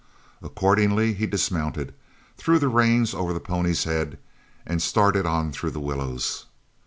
Accordingly he dismounted, threw the reins over the pony's head, and started on through the willows.